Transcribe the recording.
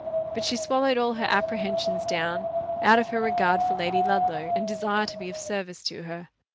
But she swallowed all her apprehensions down, out of her regard for Lady Ludlow, and desire to be of service to her.